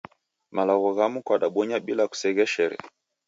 Malagho ghamu kwadabonya bila kusegheshere